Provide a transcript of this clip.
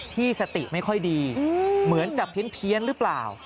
ที่สติไม่ค่อยดีเหมือนจะเพี้ยนหรือเปล่า